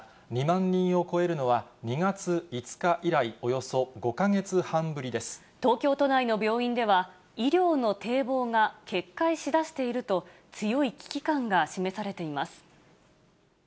２万人を超えるのは２月５日以来、東京都内の病院では、医療の堤防が決壊しだしていると、強い危機感が示されています。